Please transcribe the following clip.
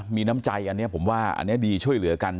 มีน้ำใจอันนี้ผมว่าอันนี้ดีช่วยเหลือกัน